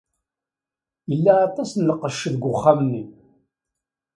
Yella aṭas n lqecc deg uxxam-nni.